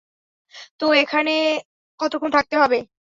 তো, এখানে কতক্ষণ থাকতে হবে?